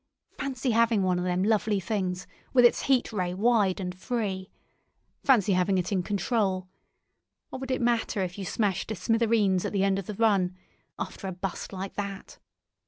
Fancy having one of them lovely things, with its Heat Ray wide and free! Fancy having it in control! What would it matter if you smashed to smithereens at the end of the run, after a bust like that?